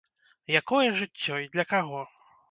Якое жыццё і для каго?